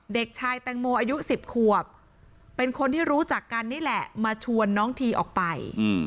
เด็กชายแตงโมอายุ๑๐ขวบเป็นคนที่รู้จักกันนี่แหละมาชวนน้องทีออกไป